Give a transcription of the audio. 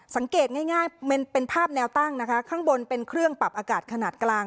สังเกตง่ายเป็นภาพแนวตั้งนะคะข้างบนเป็นเครื่องปรับอากาศขนาดกลาง